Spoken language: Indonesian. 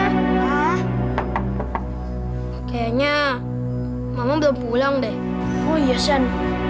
kayaknya mama belum pulang deh oh iya sen